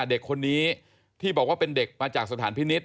เด็กคนนี้ที่บอกว่าเป็นเด็กมาจากสถานพินิษฐ